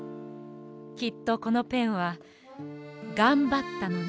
きっとこのペンはがんばったのね。